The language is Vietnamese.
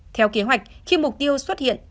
theo kế hoạch khi mục tiêu xuất hiện